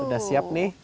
udah siap nih